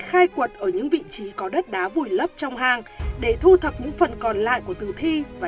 khai quật ở những vị trí có đất đá vùi lấp trong hang để thu thập những phần còn lại của tử thi và